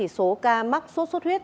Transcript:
số ca mắc sốt xuất huyết